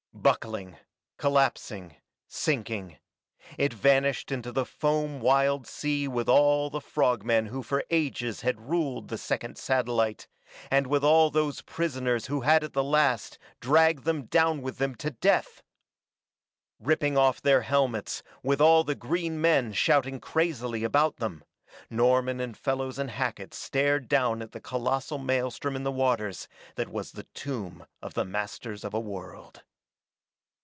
Buckling, collapsing, sinking, it vanished in the foam wild sea with all the frog men who for ages had ruled the second satellite, and with all those prisoners who had at the last dragged them down with them to death! Ripping off their helmets, with all the green men shouting crazily about them, Norman and Fellows and Hackett stared down at the colossal maelstrom in the waters that was the tomb of the masters of a world.